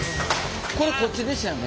これこっちでしたよね？